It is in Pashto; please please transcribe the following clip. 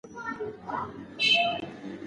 چی پورته موضوعات تر بحث لاندی ونیسی چی هغه د